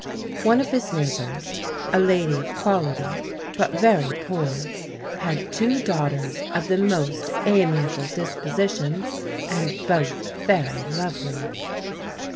One of his neighbours, a lady of quality, but very poor, had two daughters of the most amiable dis positions, and both very lovely.